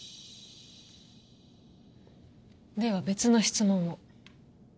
では別の質問を。